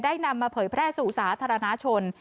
นำมาเผยแพร่สู่สาธารณชน